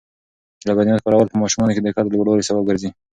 د لبنیاتو کارول په ماشومانو کې د قد د لوړوالي سبب ګرځي.